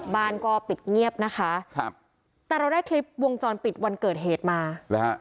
บ้านก็ปิดเงียบแต่เราได้คลิปวงจรปิดวันเกิดเหตุมา